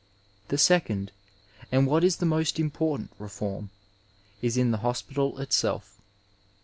The second, and what is the most important reform, is in the hospital itself.